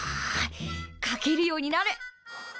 書けるようになれ！